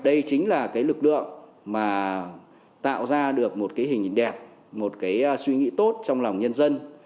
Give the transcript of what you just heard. đây chính là lực lượng tạo ra được một hình đẹp một suy nghĩ tốt trong lòng nhân dân